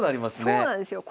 そうなんですよ。